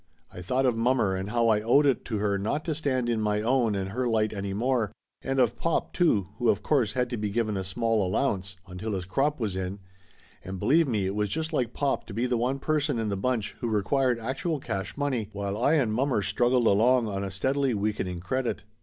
I thought of mommer and how I owed it to her not to stand in my own and her light any more; and of pop, too, who of course had to be given a small allowance until his crop was in, and believe me it was just like pop to be the one person in the bunch who required actual cash money, while I and mommer struggled along on a steadily weakening credit.